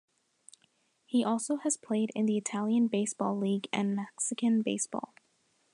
He also has played in the Italian Baseball League and Mexican baseball.